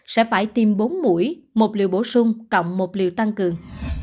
sẽ phải tiêm bốn mũi một liều bổ sung cộng một liều tăng cường